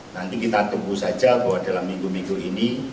nanti kita tunggu saja bahwa dalam minggu minggu ini